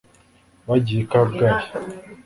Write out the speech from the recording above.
bagiye i kabgayi